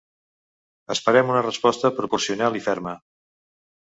Esperem una resposta proporcional i ferma.